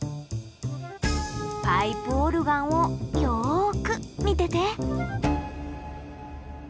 パイプオルガンをよく見てて。